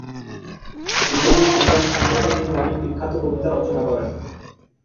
বিপ্লবী সংগ্রাম সম্পর্কে তিনি অনেক বিখ্যাত কবিতা রচনা করেন।